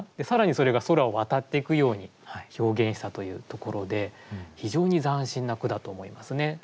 更にそれが空を渡っていくように表現したというところで非常に斬新な句だと思いますね。